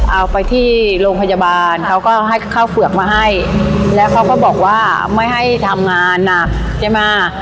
เอาไปที่โรงพยาบาลเขาก็ให้ข้าวเฝือกมาให้แล้วเขาก็บอกว่าไม่ให้ทำงานหนักใช่ไหม